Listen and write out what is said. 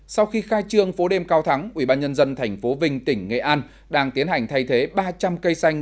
sau khi khai trương phố đêm cao thắng ubnd tp vinh tỉnh nghệ an đang tiến hành thay thế ba trăm linh cây xanh